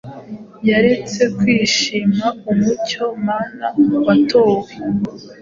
Yaretse kwishima umucyo-Mana watowe